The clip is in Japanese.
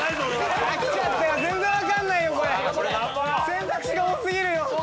選択肢が多過ぎるよ。